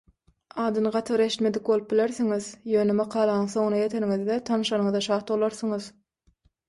Adyny gaty bir eşitmedik bolup bilersiňiz, ýöne makalanyň soňuna ýeteniňizde tanyşanyňyza şat bolarsyňyz.